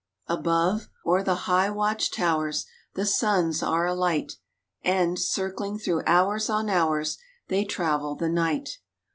Above, o'er the high watch towers The suns are alight And, circling through hours on hours, They travel the night.